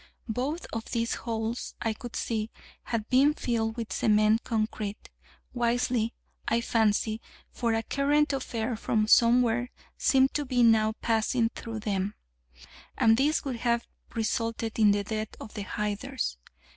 Both of these holes, I could see, had been filled with cement concrete wisely, I fancy, for a current of air from somewhere seemed to be now passing through them: and this would have resulted in the death of the hiders.